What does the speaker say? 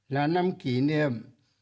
là năm kỷ niệm